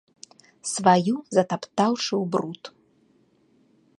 Сваю затаптаўшы ў бруд.